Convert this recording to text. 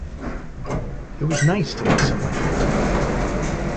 It was nice to make some money.